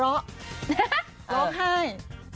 ร้อกลับไห้